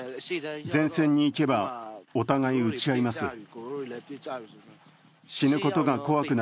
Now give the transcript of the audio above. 前線に行けばお互いに撃ち合います。